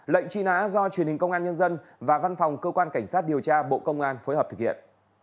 lệnh truy nã do truyền hình công an nhân dân và văn phòng cơ quan cảnh sát điều tra bộ công an phối hợp thực hiện